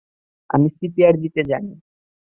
আমি সিপিআর দিতে জানি।